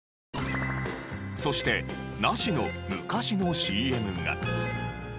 そして「なし」の昔のＣＭが。